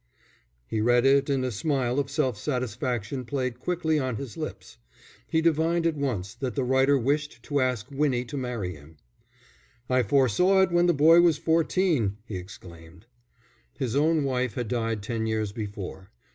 _ He read it, and a smile of self satisfaction played quickly on his lips. He divined at once that the writer wished to ask Winnie to marry him. "I foresaw it when the boy was fourteen," he exclaimed. His own wife had died ten years before.